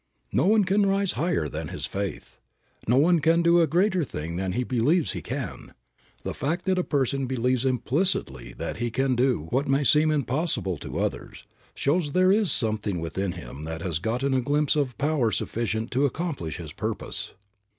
No one can rise higher than his faith. No one can do a greater thing than he believes he can. The fact that a person believes implicitly that he can do what may seem impossible to others, shows there is something within him that has gotten a glimpse of power sufficient to accomplish his purpose.